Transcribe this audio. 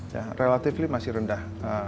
ya relatively masih rendah